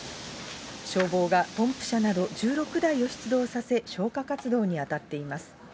消防がポンプ車など１６台を出動させ、消火活動に当たっています。